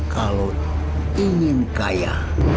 kalau ingin kaya